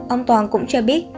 ông toàn cũng cho biết